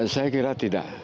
saya kira tidak